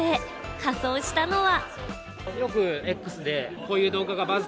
仮装したのは。